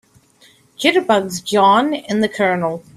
Jitterbugs JOHN and the COLONEL.